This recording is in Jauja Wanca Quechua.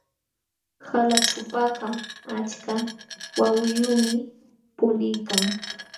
Qalaćhupakaq achka wawiyuqmi puliykan.